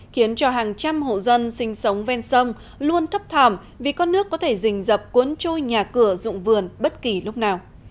khiến cho hàng trăm hộ dân sinh sống ven sông luôn thấp thòm vì con nước có thể rình dập cuốn trôi nhà cửa dụng vườn bất kỳ lúc nào